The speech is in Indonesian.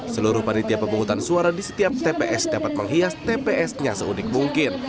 seluruh panitia pemungutan suara di setiap tps dapat menghias tps nya seunik mungkin